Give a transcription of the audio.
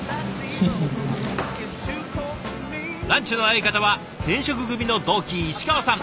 ランチの相方は転職組の同期石川さん。